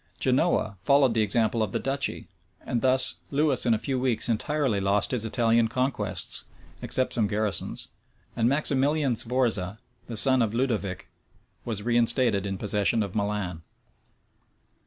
Genoa followed the example of the duchy; and thus Lewis in a few weeks entirely lost his Italian conquests, except some garrisons; and Maximilian Sforza, the son of Ludovic, was reinstated in possession of Milan.